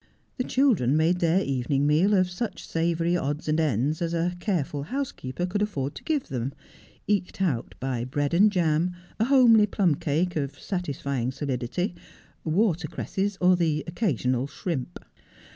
The children made their evening meal of such savoury odds and ends as a careful house keeper could afford to give them, eked out by bread and jam, a homely plum cake, of satisfying solidity, water cresses, or the occasional shrimp.